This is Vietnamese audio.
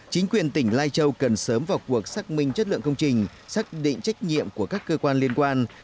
chính quyền tỉnh lai châu cần sớm vào cuộc xác minh chất lượng công trình xác định trách nhiệm của các cơ quan liên quan